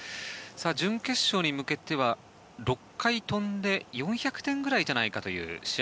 準決勝に向けては６回飛んで４００点ぐらいじゃないかという試合